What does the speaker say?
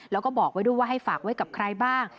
แล้วก็บอกไว้ด้วยว่าให้ฝากไว้กับใครบ้าง